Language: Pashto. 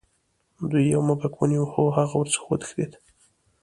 دوی یو موږک ونیو خو هغه ورڅخه وتښتید.